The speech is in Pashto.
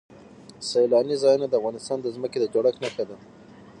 سیلانی ځایونه د افغانستان د ځمکې د جوړښت نښه ده.